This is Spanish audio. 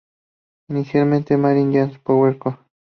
Inicialmente, Maine Yankee Power Co.